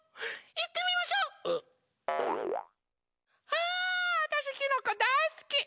あわたしキノコだいすき！